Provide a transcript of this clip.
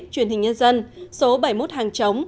truyền hình nhân dân số bảy mươi một hàng chống